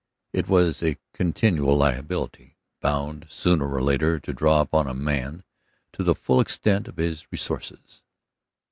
It was a continual liability, bound sooner or later to draw upon a man to the full extent of his resources.